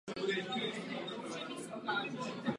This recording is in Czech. Také vlastní jeden obchod se zbožím značky Fila.